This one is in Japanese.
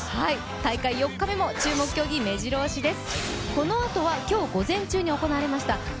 大会４日目も、注目競技めじろ押しです。